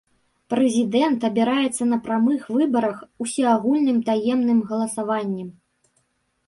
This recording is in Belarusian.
Прэзідэнт абіраецца на прамых выбарах усеагульным таемным галасаваннем.